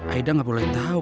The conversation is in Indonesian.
aida ga boleh tau